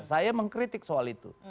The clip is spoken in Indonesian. saya mengkritik soal itu